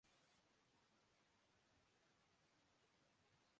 کسان اور حکومت کے درمیان واحد چیز کارڈ ہوگی